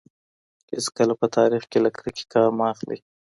هېڅکله په تاریخ کي له کرکې کار مه اخلئ.